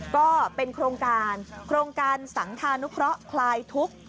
ก็เป็นโครงการโครงการสังธานุเคราะห์คลายทุกข์